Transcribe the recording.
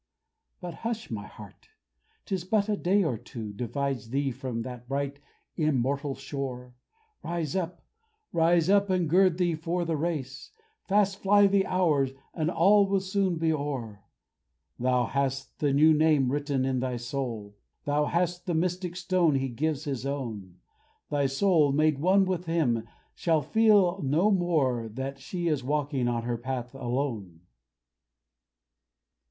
But hush, my heart! 'Tis but a day or two Divides thee from that bright, immortal shore. Rise up! rise up! and gird thee for the race! Fast fly the hours, and all will soon be o'er. Thou hast the new name written in thy soul; Thou hast the mystic stone he gives his own. Thy soul, made one with him, shall feel no more That she is walking on her path alone.